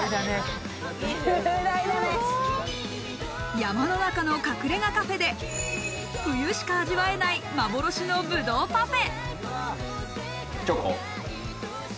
山の中の隠れ家カフェで、冬しか味わえない幻のぶどうパフェ。